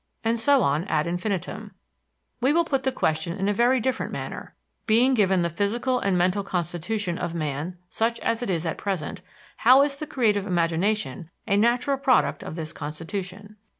And so on ad infinitum. We will put the question in a very different manner: Being given the physical and mental constitution of man such as it is at present, how is the creative imagination a natural product of this constitution?